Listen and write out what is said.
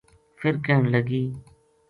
فر کہن لگی